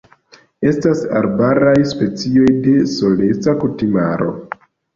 Estas arbaraj specioj de soleca kutimaro.